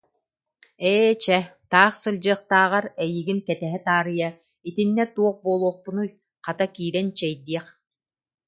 Ээ, чэ, таах сылдьыахтааҕар, эйигин кэтэһэ таарыйа, итиннэ туох буолуохпунуй, хата, киирэн чэйдиэх